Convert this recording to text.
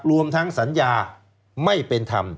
รวมทั้งสัญญาไม่เป็นธรรม